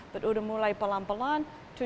sudah mulai pelan pelan